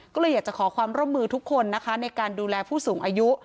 ก็เลยอยากจะขอความร่วมมือทุกคนนะคะในการดูแลผู้สูงอายุ